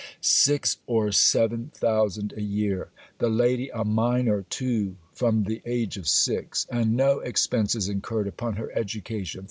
Six or seven thousand a year! The lady a minor too from the age of six, and no expences incurred upon her education!